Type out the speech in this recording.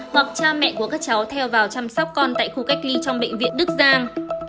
hoặc cha mẹ của các cháu theo vào chăm sóc con tại khu cách ly trong bệnh